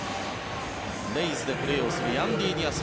レイズでプレーをするヤンディ・ディアス。